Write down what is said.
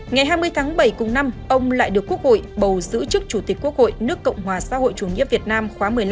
ngày hai mươi tháng bảy cùng năm ông lại được quốc hội bầu giữ chức chủ tịch quốc hội nước cộng hòa xã hội chủ nghĩa việt nam